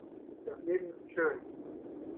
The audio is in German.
Das Leben ist schön!